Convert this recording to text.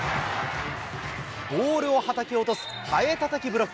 ボールをはたき落とす、はえたたきブロック。